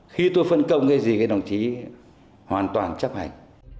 khi tôi phân công cái gì cái đồng chí hoàn toàn chấp hành